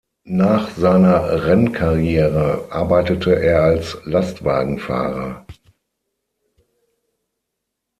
Nach seiner Rennkarriere arbeitete er als Lastwagenfahrer.